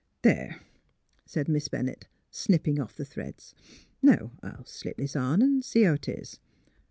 " There! " said Miss Bennett, snapping off the threads. *' Now I'll slip this on an' see how 'tis. ...